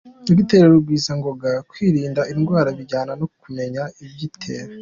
Dr Rugwizangoga: Kwirinda indwara bijyana no kumenya ibiyitera.